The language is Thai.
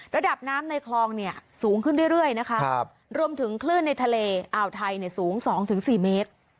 ระดับน้ำในคลองเนี่ยสูงขึ้นเรื่อยนะคะรวมถึงคลื่นในทะเลอ่าวไทยสูง๒๔เมตร